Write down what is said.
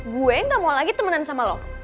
gue gak mau lagi temenan sama lo